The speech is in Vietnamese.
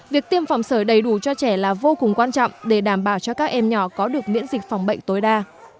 việc tiêm phòng sởi đầy đủ cho trẻ là vô cùng quan trọng để đảm bảo cho các em nhỏ có được miễn dịch phòng bệnh tối đa